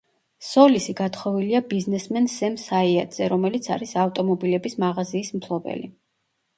სოლისი გათხოვილია ბიზნესმენ სემ საიადზე, რომელიც არის ავტომობილების მაღაზიის მფლობელი.